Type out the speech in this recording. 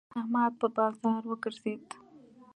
احمد په بازار وګرځېد.